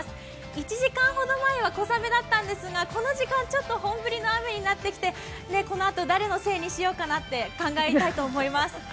１時間ほど前は小雨だったんですが、この時間、ちょっと本降りの雨になってきてこのあと誰にせいにしようかなと考えたいと思います。